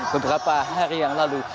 beberapa hari yang lalu